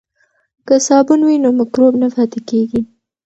که صابون وي نو مکروب نه پاتې کیږي.